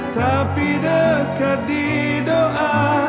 tapi dekat di doa